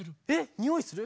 ⁉においする？